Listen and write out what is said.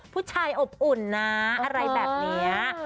ผู้ชายอบอุ่นนะอะไรแบบนี้